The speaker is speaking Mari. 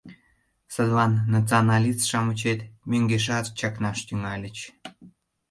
Садлан националист-шамычет мӧҥгешат чакнаш тӱҥальыч.